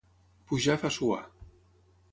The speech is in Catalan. Pujar fa suar.